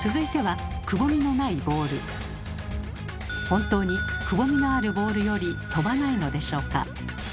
本当にくぼみのあるボールより飛ばないのでしょうか。